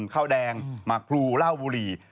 ข้าวแดงหมาครูล่าวบุหรี่